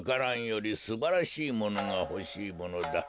蘭よりすばらしいものがほしいものだ。